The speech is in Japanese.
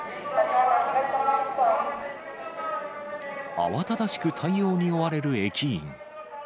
慌ただしく対応に追われる駅員。